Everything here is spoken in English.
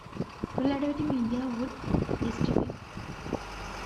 Relativity Media would distribute.